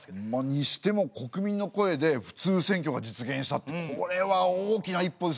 にしても国民の声で普通選挙が実現したってこれは大きな一歩ですよね。